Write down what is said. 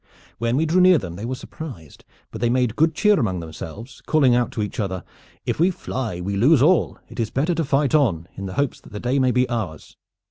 When we drew near them they were surprised, but they made good cheer among themselves, calling out to each other: 'If we fly we lose all. It is better to fight on, in the hopes that the day may be ours.'